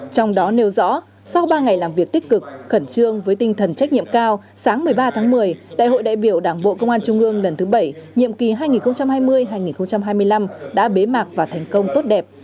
trong đó nêu rõ sau ba ngày làm việc tích cực khẩn trương với tinh thần trách nhiệm cao sáng một mươi ba tháng một mươi đại hội đại biểu đảng bộ công an trung ương lần thứ bảy nhiệm kỳ hai nghìn hai mươi hai nghìn hai mươi năm đã bế mạc và thành công tốt đẹp